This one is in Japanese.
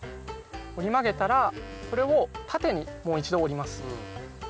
折り曲げたらこれを縦にもう一度折ります。